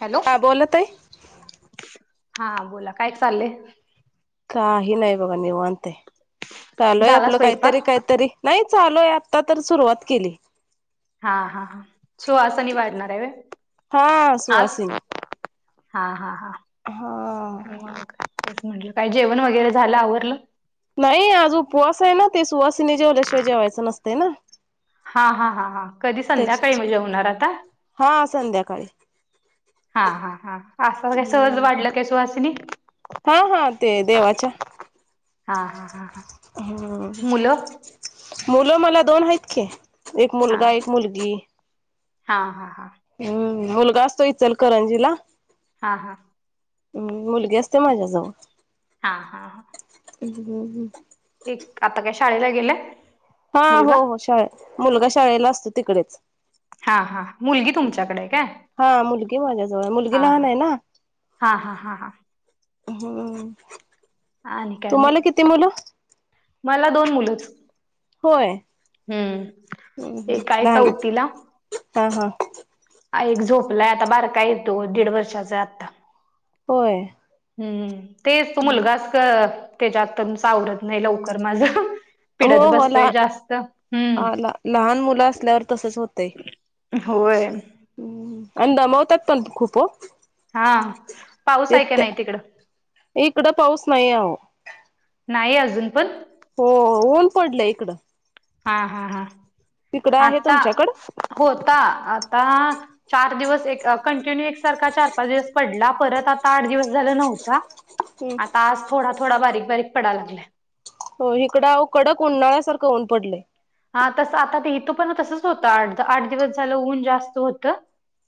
Hello हा बोला ताई हा बोला काय चाललंय? काही नाय बघा निवांत हाय चालूय झाला आपलं काय तरी काय स्वयंपाक तरी नाही चालूय आता तर सुरुवात केली. हा हा हा सुहासणी वाढणार हाय व्हय हा आज सुवासिनी हा हा हा हा. मग तेच म्हटलं काय जेवण वगैरे झालं आवरलं? नाही आज उपवास ये ना ते सुवासिनी जेवल्याशिवाय जेवायचं नसतय ना. हा हा हा हा कधी संध्याकाळी त्याच म जेवणार आता हा संध्याकाळ हा हा हा असता काय सहज हम्म वाढलं काय सुहासिनी हा हा ते देवाच्या हा हा हा हा हूं मुलं मुलं मला दोन हाईत की एक हा मुलगा एक मुलगी. हा हा हा. हम्म मुलगा असतो इचल करंजीला हा हा हम् मुलगी असते माज्याजवळ. हा हा हा. हंम्म हम्म एक आता काय शाळेला गेलाय? हा हो मुलगा हो शाळत मुलगा शाळेला असतो तिकडेच हा हा मुलगी तुमच्याकडे आहे काय हा मुलगी माझ्याजवळ मुलगी हा लहान हा ये ना. हा हा हा हा. हूं आणि काय मग मला दोन मुलंच. होय हम्म हम्म एक हम्म हाय लहान चौथीला हा हा एक झोपलाय आता बारका येतो दीड वर्षाचाय आता होय. हम्म तेच मुलगाच तेजातून सावरत नाही लवकर माझ हो पिडत हो बसतोय लहान जास्त हम् हा ल लहान मुलं असल्यावर तसच होय. हम्म हम्म अन दमवतात पण खूप ओ हा पाऊस हाय का नाही तिकडं इकड पाऊस नाहीये अहो नाही अजून पण हो ऊन पडलय इकड हा हा हा आहे आता तुमच्याकडं होता आता चार दिवस एक कंटिन्यू एकसारखा चार पाच दिवस पडला परत आता आठ दिवस झाला नव्हता. हम्म आता आज थोडा थोडा बारीक बारीक पडा लागलाय. हो इकडं अहो कडक उन्हाळ्यासारखं ऊन पडलय. हा तस आता ते इथं पण तसंच होतं आठ आठ दिवस झालं ऊन जास्त होतं.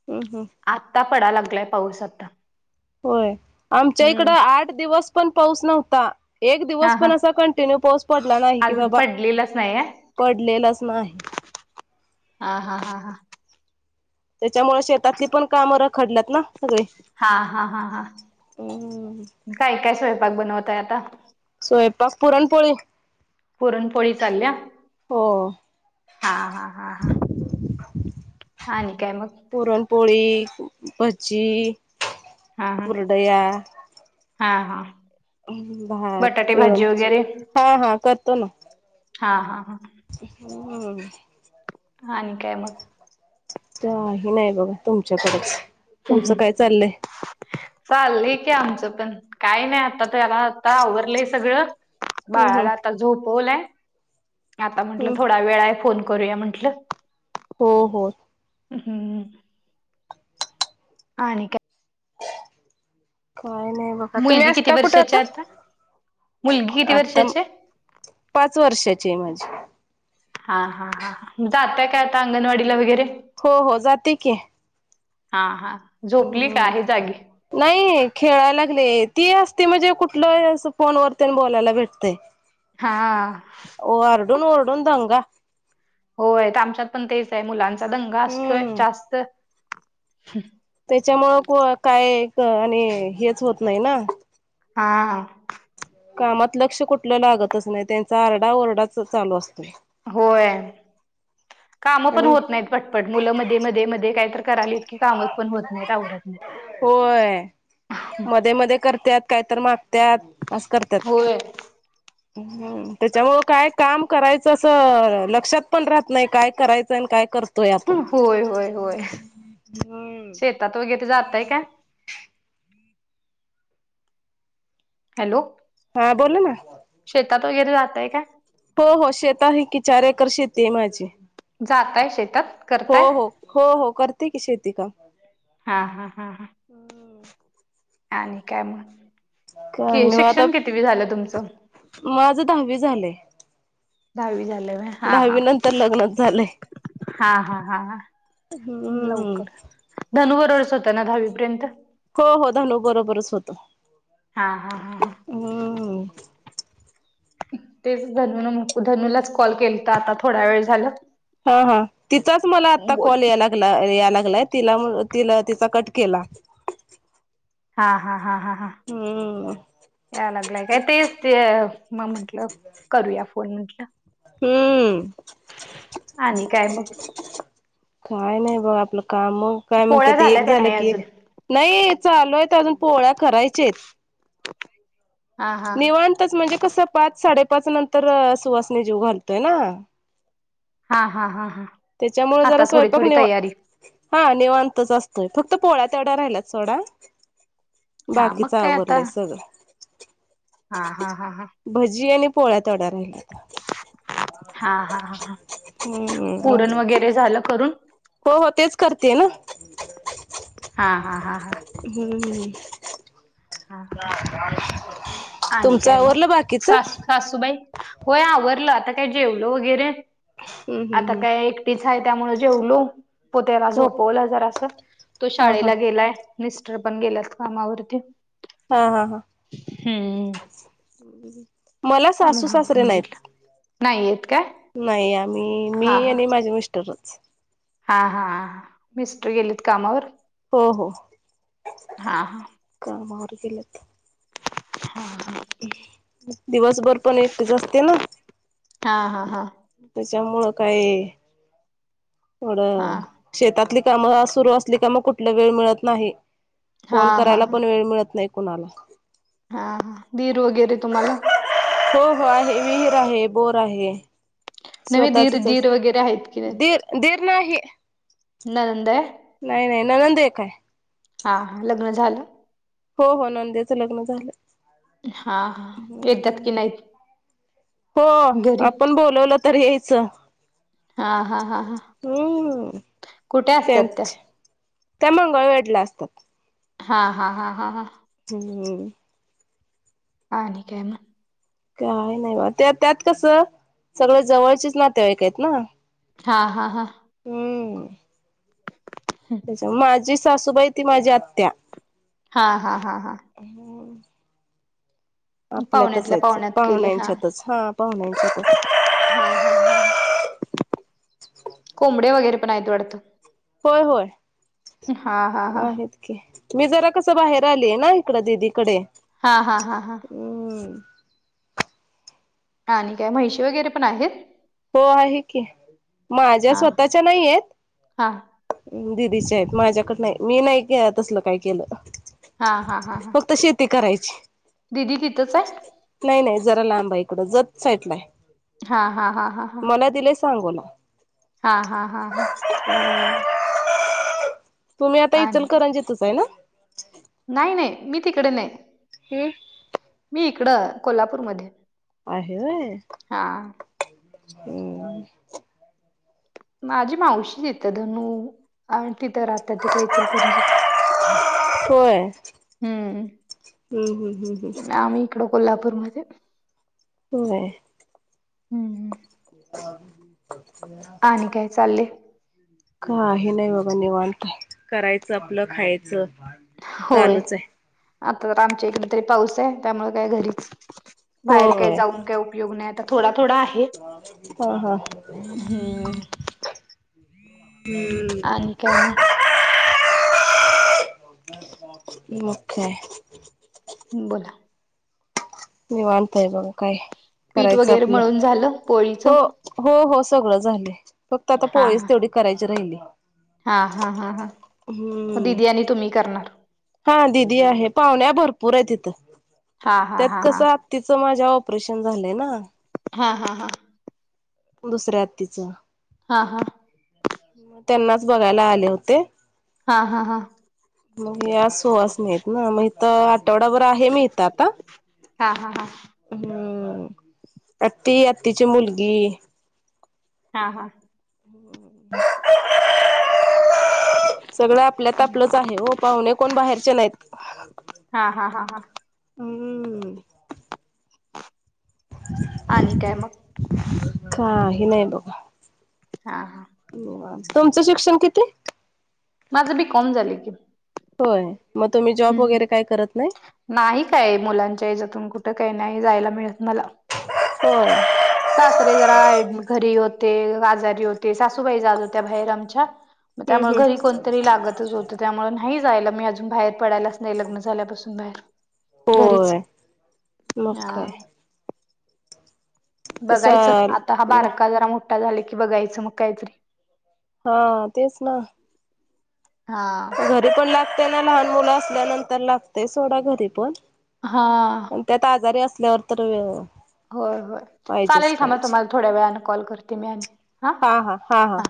हम्म हम्म आत्ता पडा लागलाय पाऊस आता होय आमच्या इकड हम्म आठ दिवस पण पाऊस नव्हता. एक हा दिवस हा पण असा कंटिन्यू पाऊस पडला नाही कि अजून बाबा पडलेलाच नाहीये. पडलेलाच नाही. हा हा हा हा त्यामुळे शेतातली पण कामं रखडल्यात ना सगळी हा हा हा हा हम्म काय काय स्वयंपाक बनवताय आता स्वयंपाक पुरण पोळी पुरणपोळी चालल्या हो हा हा हा हा [inaudible] आणि काय मग पुरणपोळी, भजी हा हा कुरडया हा हा हम्म बटाटे भात भाजी यळवण्याची वगैरे हा हा करतो ना हा हा हा हम्म आणि काय मग काही नाही बघा तुमच्याकडेच [inaudible] तुमचं काय चाललंय चाललंय की आमचं पण काय नाही आता त्याला आता आवरलंय सगळं हम्म हम्म बाळाला आता झोपवलाय आता म्हंटलं हम्म थोडा वेळाय फोन करूया म्हण टल हो हो हम्म आणि काय काय नाही बघा तुम्ही मुलगी किती असता कुठं वर्षाची आता आहे मुलगी किती आता वर्षाची आहे? पाच वर्षाचीय माझी हा हा हा जातय काय आता अंगणवाडीला वगैरे? हो हो जाते की हा हा झोपली का? हम्म आहे जागी. नाही खेळायला लागले ती असते म्हणजे कुठलं अस फोन वरती बोलायला भेटतंय. हा ओरडून ओरडून दंगा. होय आता आमच्यात पण तेच आहे मुलांचा दंगा असतोय हम्म जास्त. त्याच्यामुळे काय आणि हेच होत नाही ना. हा- कामात लक्ष कुठलं लागतच नाही त्यांचा आरडा ओरडा च चालू असतोय. होय काम पण आणि होत नाहीत पटपट मुलं मध्ये मध्ये मध्ये काय त करालीत की काम पण होत नाही आवरत नाही. होय मध्ये मध्ये कर काय तर मागतात असं करतात. होय त्याच्यामुळ काय काम करायचं असं लक्षात पण राहत नाही काय करायचं आणि काय तोय आपुन. होय होय. हम्म शेतात वगैरे जातय का? हॅलो. हा बोला ना. शेतात वगैरे जातय काय? हो हो शेत आहे की चार एकर शेती आहे माझी. जाताय शेतात. हो करताय? हो हो हो करते की शेती काम. हा हा हा ह आणि काय म काय कि शिक्षण कितवि झाल तुमच. मा माझ दहावी झालय. दहावी झालंय व्हय. हा -हा दहावी नंतर लग्नच झालंय. -हा -हा हा हम्म लवकर. धनु बरोबरच होता ना दहावीपर्यंत. हो हो धनू बरोबरच होतो. हा हा हा हा हम्म तेच धनु नक धनूलाच कॉल केलं तर आता थोडा वेळ झाल. हा हा तिचाच मला आता कॉल यायला. या लागला तिला- तिला तिचा कट केला. हा हा हा हा. हम् या लागलंय काय तेच ते मग म्हटलं करूया फोन म्हटल. हम्म [inaudible] आणि काय मग काय नाही बघ आपलं काम काय म्हणत्यात पोळ्या ते एक झाल्या का झाल नाही कि, अजून? नाही चालू आहेत अजून पोळ्या करायच्या आहेत. हा हा निवांतच म्हणजे कसं पाच साडेपाच नंतर सुवासनी जीव घालतोय ना. हा हा हा हा त्याच्यामुळे जरा आता थोडी स्वयंपाक थोडी नि- तयारी हा निवांतच असतोय फक्त पोळ्या तेवढा राहिला थोडया हा मग बाकीचं काय आता आवरलय सगळं. हा. हा. हा. हा. भजी आणि पोळ्या तेवढ्या राहिल्यात. हा हा हा हा हम् [unintelligible] पुरण वगैरे झालं करून. हो, हो, तेच करतेय ना. हा. हा. हा. हम्म हम्म [unintelligible] हा आणि तुमच काय आवरलं मग बाकीच? सास सासूबाई. होय, आवरलं आता काय जेवल वगैरे हम्म हम्म आता हम्म काय- तिच आहे त्यामुळे जेवलो, पत्याला [unintelligible] हो झोपवलं जरासं तो हा हा शाळेला गेलाय. मिस्टर पण गेल्यात कामावरती. हा. हा. हा. हम. मला सासू, सासरे आवरून घेतलं नाहीत. नाही येत काय? नाही, आम्ही हा मी हा. आणि माझे मिस्टरच. हा. हा. मिस्टर गेलेत कामावर? हो हा, हा. नाही, बाहेर गेलेत ते. हा ह [unintelligible] दिवसभर पण एकटेच असते ना? हां, हा, हां. त्याच्यामुळं काय- थोड हा शेतातली कामं सुरु असली की, मग कुठलं वेळ मिळत नाही. हा फोन हा करायला पण वेळ मिळत नाही कुणाला. हा, हा, दीर वगैरे तुम्हाला? हो, हो, आहे विहीर आहे, बोर आहे. नव्हे दीर स्वतःचच आहे, दीर वगैरे आहेत की दीर, दीर नाही- नंनद ये? नाही, नाही, ननंद एक हाय. हा, हा, लग्न झालं? हो, हो, नंदेच लग्न झालं. हा, हा, येतात कि नाहीत? हो, घरी आपण बोलवलं तर यायचं. हा हा हा हा हम्म.. कुठे असतात त्या तेच. त्या मंगळवेढल्या असतात. हा, हा, हा, हा, हा. हम्म. आणि काय मग? काय नाही बा, त्या त्यात कसं सगळं जवळचेच नातेवाईक आहेत ना. हा, हा, हा. हम्म. त्याच्या- माझी सासूबाई ती, माझी आत्या. हा, हा, हा, हा. हो [unintelligible] पाहण्यातल्या आहेच पाहण्यात केले हा. पाहुण्यांच्यातच हा पाहुण्यांच्यातच हा, हा, हा. कोंबडे वगैरे पण आहेत वाटतं. होय होय. हा हा हा.. आहेत मी जरा कसं बाहेर आलीय ना इकड दिदीकडे. हा हा हा हा.. हम्म आणि काय म्हैशी वगैरे पण आहेत. हो आहे की माझ्या स्वतःच्या नाही आहेत. हां. दिदीच्या आहेत माझ्याकड नाही मी नाही तसल काय केलं. हा हा हा फक्त शेती करायची दिीदी तिथंच आहे. नाही नाही जरा लांबा इकडं जत साटलंय हा हा हा हा हा मला दिलेय सांगोला. हा हा हा हा.. हम्म तुम्ही आता इचल आणि करांजेतच आहे ना. नाही नाही मी तिकडे नाही. हम. मी इकडं कोल्हापूरमध्ये. आहेय हा होय. माझी मावशी येतं धनु आणि तिथं राहतात इचलकरंजी कर. होय हम्म हम्म हम्म हम्म. इकड कोल्हापूरमध्येध्ये. हो. हम्म [inaudible] आणि काय चालले. का आहे नाही बाबा निवणत करायचं आपलं खायचं. होय चालूच आहे. आता तर आमच्या इकडे तरी पाऊस आहे त्यामुळे काय घरीच. बाहेर काही होय जाऊन काय उपयोग नाही आता थोडा थोडा आहे. हा हा हम् हम्म आणि काय मग. ओकेमगकाय. बोला. निवांत आहे मग काय नाही. पीठ वगैरे म्हळून झालं हो पोळीचं. हो हो सगळं झाले फक्त आता हा हा पोळीच तेवढी करायची राहिली. हा हा हा हा मग हम्म. दिदी तुम्ही करणार. हा दिीदी आहे पाहुण्या भरपूर आहे तिथं हा हा त्यात हा हा कसं. तिचं माझ्या ऑपरेशन झालंय ना. हा हा हा. दुसऱ्या हत्तीचं. हा हा. त्यांनाच बघायला आले होते. हा हा हा. मगे आज सुवास नाहीत ना मग तर. ठवडाभर आहे मी इथ आता. हा हा हा हम्म आत्ती आत्तीची मुलगी. हा हा. [inaudible] सगळं आपल्यात आपलंच आहे हो पाहुणे कोण बाहेरचे नाहीत हा हा हा हा. हम्म. आणि काय मग. का हे नाही बघ. हा हा. तुमचं शिक्षण किती. माझं बी कम झालंय की होय मग तुम्ही जॉब हम्म वगैरे काय करत नाही. नाही काय मुलांच्या याच्यातून कुठं काही नाही जायला मिळत मला हा [inaudible] सासरे जराड घरी होते आजारी होते सासूबाई जात होत्या बाहेर आमच्या मग हम्म त्यामुळे हम्म घरी कोणतरी लागतच होतं त्यामुळे नाही जायला मी अजून बाहेर पडायलाच नाही लग्न झाल्यापासून बाहेर घरीच होय मग अ काय ते सा बघायचं आता हा ला बारका जरा मोठा झाला की बघायचं मग काहीतरी हा तेच ना हा घरी पण लागते ना लहान मुलं असल्यानंतर लागते सोडा घरी पण हा त्यात आजारी असल्यावर तर होय होय पाहिजेच चालेल थांबा पाहिजे तुम्हाला थोड्या वेळाने कॉल करते मी आणि हा हा हा हा